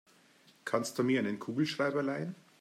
Kannst du mir einen Kugelschreiber leihen?